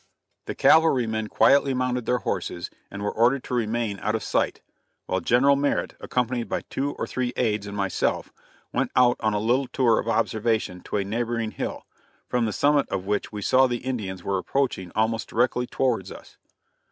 The cavalrymen quietly mounted their horses, and were ordered to remain out of sight, while General Merritt, accompanied by two or three aides and myself, went out on a little tour of observation to a neighboring hill, from the summit of which we saw that the Indians were approaching almost directly towards us.